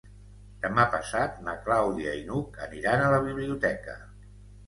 Demà passat na Clàudia i n'Hug aniran a la biblioteca.